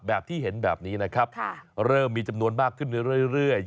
แบบที่เห็นแบบนี้นะครับเริ่มมีจำนวนมากขึ้นเรื่อย